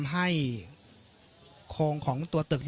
ไม่เป็นไรไม่เป็นไร